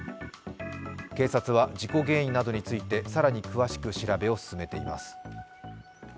警察は事故原因などについて更に詳しく調べを進めています。